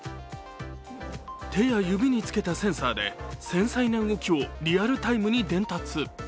手や指につけたセンサーで繊細な動きをリアルタイムに伝達。